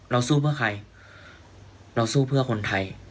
สู้เพื่อใครเราสู้เพื่อคนไทย